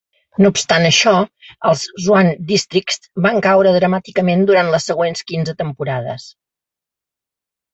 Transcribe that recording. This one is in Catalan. No obstant això, els Swan Districts van caure dramàticament durant les següents quinze temporades.